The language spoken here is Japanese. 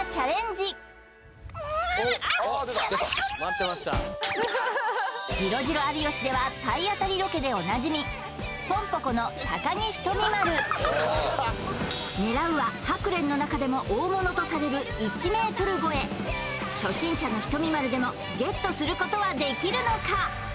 「ジロジロ有吉」では体当たりロケでおなじみ狙うはハクレンの中でも大物とされる１ｍ超え初心者のひとみ○でもゲットすることはできるのか？